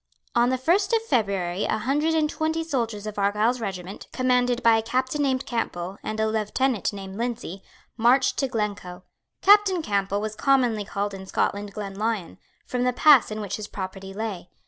On the first of February a hundred and twenty soldiers of Argyle's regiment, commanded by a captain named Campbell and a lieutenant named Lindsay, marched to Glencoe. Captain Campbell was commonly called in Scotland Glenlyon, from the pass in which his property lay.